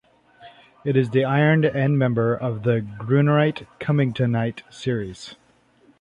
It is the iron endmember of the grunerite-cummingtonite series.